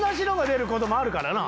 出ることもあるからな。